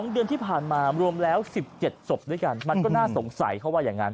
๒เดือนที่ผ่านมารวมแล้ว๑๗ศพด้วยกันมันก็น่าสงสัยเขาว่าอย่างนั้น